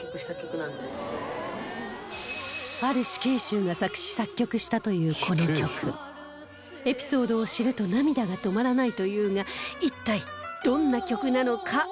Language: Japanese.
ある死刑囚が作詞作曲したという、この曲エピソードを知ると涙が止まらないというが一体、どんな曲なのか